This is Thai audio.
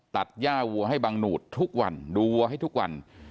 ตัดย่าวัวให้บังหนูดทุกวันดูวัวให้ทุกวัน